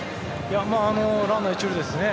ランナー１塁ですね。